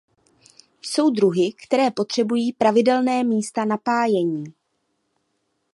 Jsou druhy které potřebují pravidelné místa napájení.